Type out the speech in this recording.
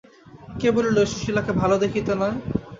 কে বলিল সুশীলাকে ভালো দেখিতে নয়?